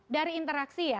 dari interaksi ya